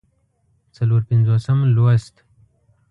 څلور پينځوسم لوست